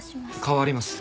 代わります。